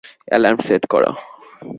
Alarm set করো।